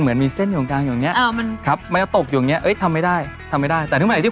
เหมาะกับคุณแม่ดี